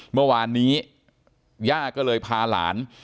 เมื่อวานนี้ย่าก็เลยพาหลาน